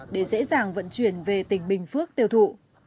để dễ dàng vận chuyển về tỉnh bình phước tiêu thụ